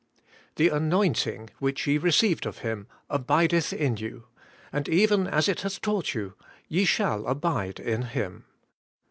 'The auointing which ye received of Him, abideth in you ; and even as it hath taught you, ye shall abide in Him.